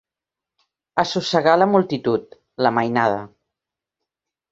Assossegar la multitud, la mainada.